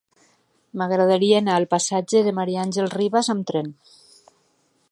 M'agradaria anar al passatge de Ma. Àngels Rivas amb tren.